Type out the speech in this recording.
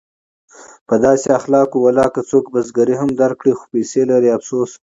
په داسې اخلاقو ولاکه څوک بزګري هم درکړي خو پیسې لري افسوس!